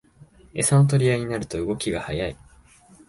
エサの取り合いになると動きが速い